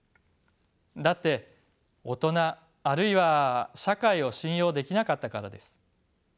だって大人あるいは社会を信用できなかったからです。